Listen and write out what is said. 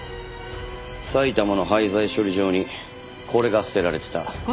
埼玉の廃材処理場にこれが捨てられてた。